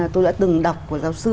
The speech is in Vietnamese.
tôi đã từng đọc của giáo sư